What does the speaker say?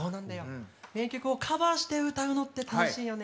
名曲をカバーして歌うのって楽しいよね。